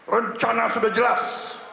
rencana sudah jelas